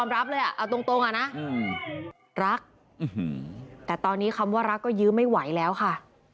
รักแต่ตอนนี้คำว่ารักก็ยืมไม่ไหวแล้วค่ะ